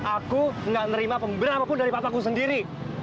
aku gak nerima pemberamapun dari papaku sendiri